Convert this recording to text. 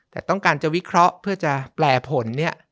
แต่ต้องการจะวิเคราะห์เพื่อจะแปลผลเนี่ย